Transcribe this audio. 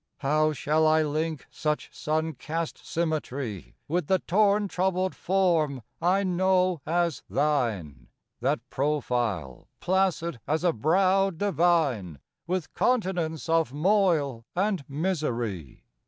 How shall I link such sun cast symmetry With the torn troubled form I know as thine, That profile, placid as a brow divine, With continents of moil and misery?